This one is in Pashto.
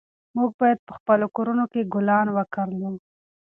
موږ باید په خپلو کورونو کې ګلان وکرلو.